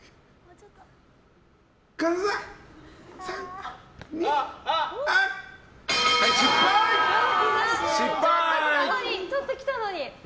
ちょっときたのに！